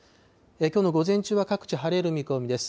きょうの午前中は各地晴れる見込みです。